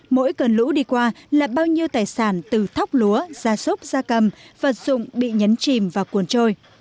mỗi cơn lũ đi qua là bao nhiêu tài sản từ thóc lúa da súc da cầm vật dụng bị nhấn chìm và cuốn trôi